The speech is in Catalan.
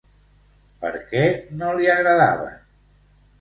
Per què no li agradaven?